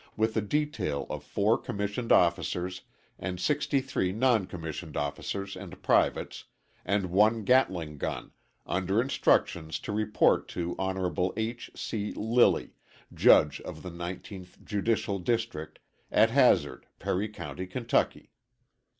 with a detail of four commissioned officers and 63 non commissioned officers and privates, and 1 gatling gun, under instructions to report to Hon. H. C. Lilly, Judge of the 19th Judicial District, at Hazard, Perry County, Kentucky.